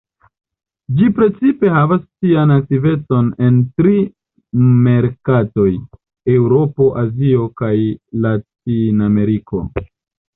Ĝi precipe havas sian aktivecon en tri merkatoj: Eŭropo, Azio kaj Latinameriko.